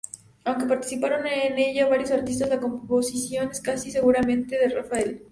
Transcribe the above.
Aunque participaron el ella varios artistas, la composición es casi seguramente de Rafael.